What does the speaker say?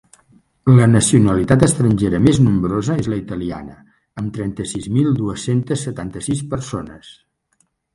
La nacionalitat estrangera més nombrosa és la italiana, amb trenta-sis mil dues-centes setanta-sis persones.